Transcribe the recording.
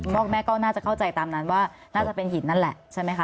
พ่อแม่ก็น่าจะเข้าใจตามนั้นว่าน่าจะเป็นหินนั่นแหละใช่ไหมคะ